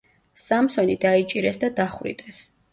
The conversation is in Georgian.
სამსონი დაიჭირეს და დახვრიტეს.